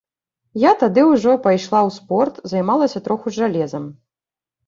Я тады ўжо пайшла ў спорт, займалася троху з жалезам.